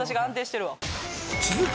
続く